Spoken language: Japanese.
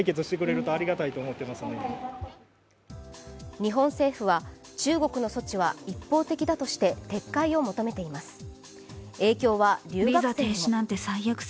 日本政府は中国の措置は一方的だとして撤回を求めています。